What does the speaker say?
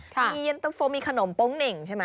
มีเย็นเต็มโฟมมีขนมป้องเง่งใช่มะ